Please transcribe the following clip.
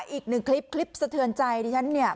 อีกหนึ่งคลิปคลิปสะเทือนใจที่ฉันเนี่ย